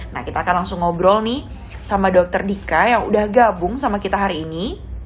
nah kita akan langsung ngobrol nih sama dokter dika yang udah gabung sama kita hari ini